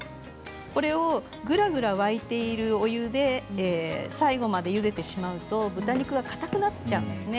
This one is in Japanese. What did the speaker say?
これを、ぐらぐら沸いているお湯で最後までゆでてしまうと豚肉がかたくなっちゃうんですね。